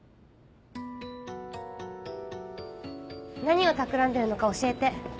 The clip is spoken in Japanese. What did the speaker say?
何をたくらんでるのか教えて